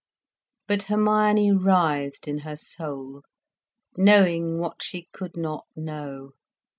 But Hermione writhed in her soul, knowing what she could not know.